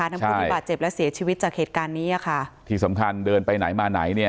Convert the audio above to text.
ผู้ที่บาดเจ็บและเสียชีวิตจากเหตุการณ์นี้อ่ะค่ะที่สำคัญเดินไปไหนมาไหนเนี่ย